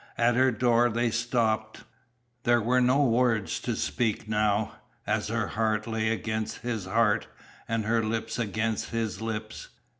At her door they stopped. There were no words to speak now, as her heart lay against his heart, and her lips against his lips.